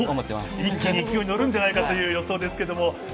一気に勢いに乗るんじゃないかという予想です。